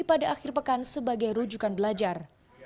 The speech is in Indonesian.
pada akhir pekan sebagai rujukan belajar